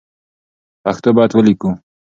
پښتو باید ولیکو